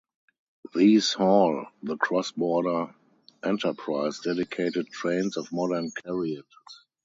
These haul the cross-border "Enterprise" dedicated trains of modern carriages.